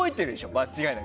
間違いなく。